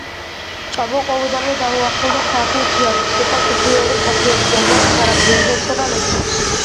ჭაბუკობიდანვე დაუახლოვდა ქართულ თეატრს, იყო სუფლიორი, მსახიობი, წერდა პატარა პიესებსა და ლექსებს.